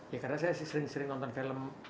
ya karena saya sering sering nonton film